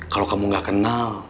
kalau kamu gak kenal